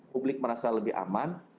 publik merasa lebih aman